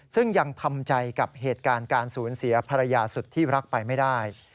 ซึ่งยังทำใจกับเหตุการณ์การสูญเสียภรรยาสุดที่รักไปไม่ได้